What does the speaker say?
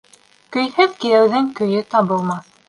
Көйһөҙ кейәүҙең көйө табылмаҫ.